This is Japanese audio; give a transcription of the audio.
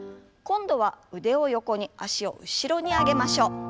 今度は腕を横に脚を後ろに上げましょう。